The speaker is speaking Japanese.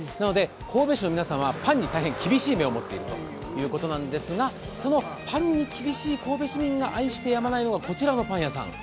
神戸市の皆さんはパンに大変厳しい目を持っているということなんですがそのパンに厳しい神戸市民が愛してやまないのがこちらのパン屋さん。